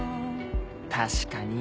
確かに。